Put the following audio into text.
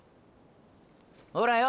ほらよ